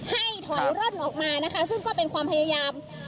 ให้ถอยร่นออกมานะคะซึ่งก็เป็นความพยายาม